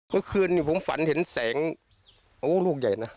เมื่อคืนนี้ผมฝันเห็นแสงโอ้ลูกใหญ่นะ